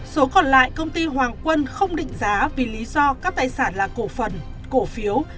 số còn lại công ty hoàng quân không định giá vì lý do các tài sản là cổ phần cổ phiếu